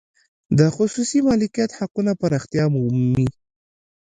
د خصوصي مالکیت حقونه پراختیا ومومي.